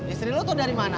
istri lu tau dari mana